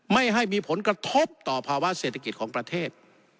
ไม่ให้มีผลกระทบต่อภาวะเศรษฐกิจของประเทศ